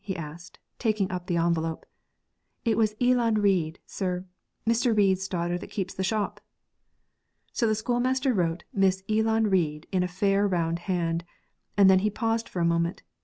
he asked, taking up the envelope. 'It was Eelan Reid, sir; Mr. Reid's daughter that keeps the shop.' So the schoolmaster wrote 'Miss Eelan Reid' in a fair round hand, and then he paused for a moment.